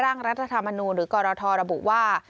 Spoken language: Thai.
ร่างรัฐธรรมนูลหรือกรทรระบุว่า